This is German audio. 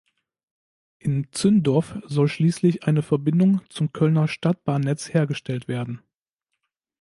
In Zündorf soll schließlich eine Verbindung zum Kölner Stadtbahnnetz hergestellt werden.